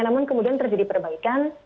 namun kemudian terjadi perbaikan